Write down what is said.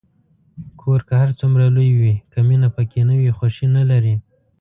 کور که هر څومره لوی وي، که مینه پکې نه وي، خوښي نلري.